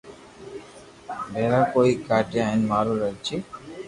ڀيرا ڪري ڪاڌيا ھين ماري زرچي